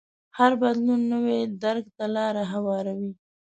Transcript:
هر بدلون نوي درک ته لار هواروي.